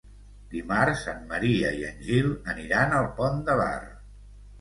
Dimarts en Maria i en Gil aniran al Pont de Bar.